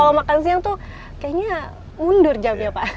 kalau makan siang tuh kayaknya mundur jamnya pak